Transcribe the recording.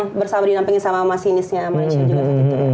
iya bersama dinampingi sama masinisnya malaysia juga